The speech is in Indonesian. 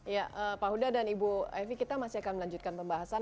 ya pak huda dan ibu evi kita masih akan melanjutkan pembahasan